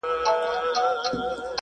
پاک چاپیریال د سالم ژوند اساس دی.